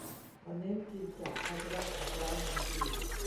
มันเน้นกินจากภาชนะของร้านทันที